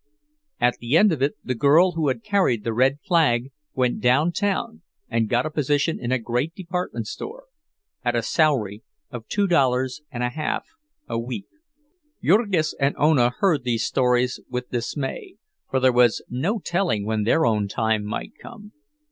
At the end of it the girl who had carried the red flag went downtown and got a position in a great department store, at a salary of two dollars and a half a week. Jurgis and Ona heard these stories with dismay, for there was no telling when their own time might come.